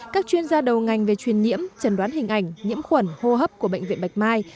các chuyên gia đầu ngành về truyền nhiễm trần đoán hình ảnh nhiễm khuẩn hô hấp của bệnh viện bạch mai